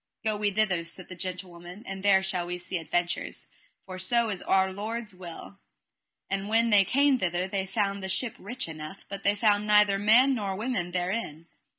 Go we thither, said the gentlewoman, and there shall we see adventures, for so is Our Lord's will. And when they came thither they found the ship rich enough, but they found neither man nor woman therein.